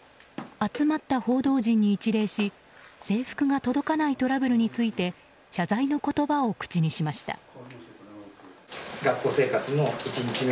集まった報道陣に一礼し制服が届かないトラブルについて謝罪の言葉を口にしました。